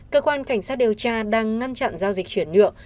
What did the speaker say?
cơ quan cảnh sát điều tra đang ngăn chặn giao dịch chuyển nhượng